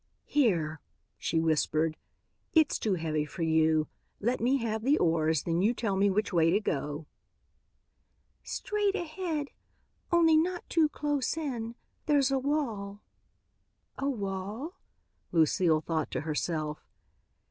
"Here," she whispered, "it's too heavy for you. Let me have the oars, then you tell me which way to go." "Straight ahead, only not too close in. There's a wall." "A wall?" Lucile thought to herself.